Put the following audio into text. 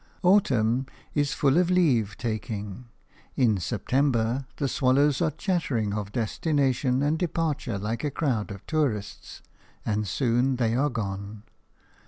Autumn is full of leave taking. In September the swallows are chattering of destination and departure like a crowd of tourists, and soon they are gone.